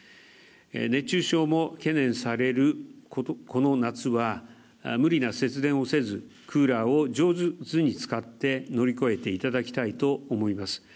熱中症も懸念される、この夏は無理な節電をせず、クーラーを上手に使って乗り越えていただきたいと思います。